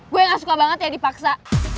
gue gak suka banget ya dipaksa